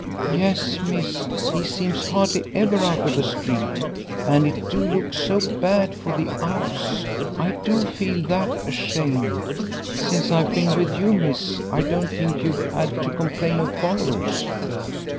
"Yes, miss, he seems hardly ever out of the street, and it do look so bad for the 'ouse. I do feel that ashamed. Since I've been with you, miss, I don't think you've 'ad to complain of followers."